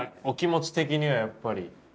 お気持ち的にはやっぱり。